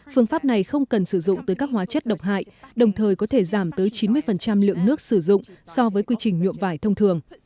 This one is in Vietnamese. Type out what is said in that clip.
phương pháp này không cần sử dụng tới các hóa chất độc hại đồng thời có thể giảm tới chín mươi lượng nước sử dụng so với quy trình nhuộm vải thông thường